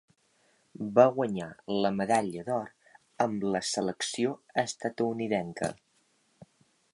Va guanyar la medalla d'or amb la selecció estatunidenca.